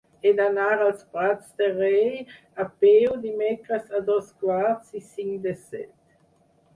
He d'anar als Prats de Rei a peu dimecres a dos quarts i cinc de set.